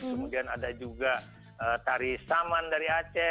kemudian ada juga tari saman dari aceh